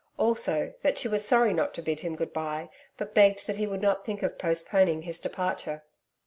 Also that she was sorry not to bid him good bye, but begged that he would not think of postponing his departure.